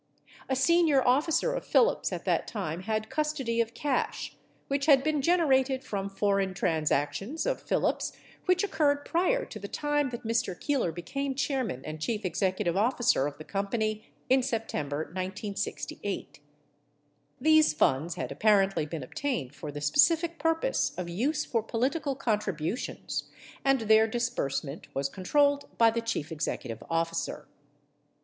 A senior officer of Phillips at that time had custody of cash, which had been generated from foreign transactions of Phillips which occurred prior to the time that Mr. Keeler became chairman and chief executive officer of the company in September 1968. These funds had apparently been obtained for the specific purpose of use for political contributions, and their disbursement was controlled by the chief executive officer.